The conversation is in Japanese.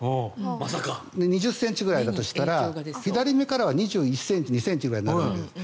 ２０ｃｍぐらいだとしたら左目からは２１ｃｍ２２ｃｍぐらいになるんです。